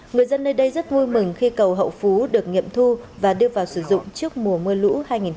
người dân nơi đây rất vui mừng khi cầu hậu phú được nghiệm thu và đưa vào sử dụng trước mùa mưa lũ hai nghìn một mươi chín